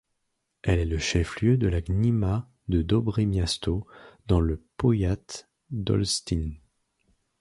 Elle est le chef-lieu de la gmina de Dobre Miasto, dans le powiat d'Olsztyn.